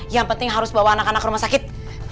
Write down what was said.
yang penting harus bawa anak anak ke rumah sakit